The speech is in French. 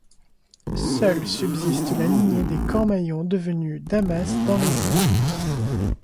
Seule subsiste la lignée de Cormaillon, devenue Damas d'Anlézy.